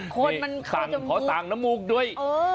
ขนมันเข้าจมูกขอต่างน้ำมูกด้วย